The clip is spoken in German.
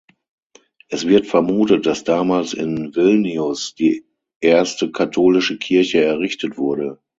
Es wird vermutet, dass damals in Vilnius die erste katholische Kirche errichtet wurde.